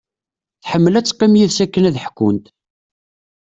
Tḥemmel ad teqqim d yid-s akken ad ḥkunt.